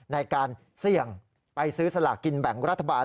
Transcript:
ในการเสี่ยงไปซื้อสลากกินแบ่งรัฐบาล